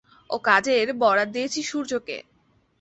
ও কাজের বরাত দিয়েছি সূর্যকে।